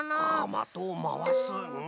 まとをまわすうん？